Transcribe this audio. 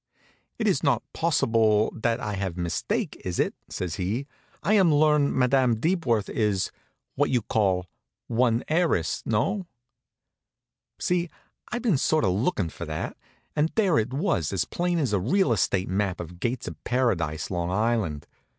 "It is not possible that I have mistake, is it?" says he. "I am learn that Madam Deepworth is what you call one heiress? No?" See? I'd been sort of lookin' for that; and there it was, as plain as a real estate map of Gates of Paradise, Long Island.